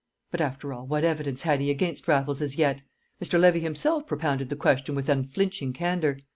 But, after all, what evidence had he against Raffles as yet? Mr. Levy himself propounded the question with unflinching candour.